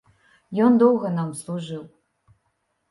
Ён доўга нам служыў.